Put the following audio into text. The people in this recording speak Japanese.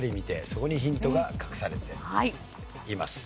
そこにヒントが隠されています。